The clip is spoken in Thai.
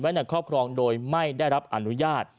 ในครอบครองโดยไม่ได้รับอนุญาต